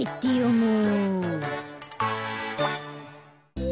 もう！